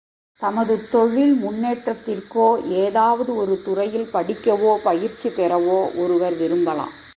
தமது தொழில் முன்னேற்றத்திற்கோ ஏதாவது ஒரு துறையில், படிக்கவோ பயிற்சி பெறவோ ஒருவர் விரும்பலாம்.